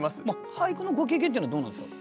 俳句のご経験っていうのはどうなんでしょう？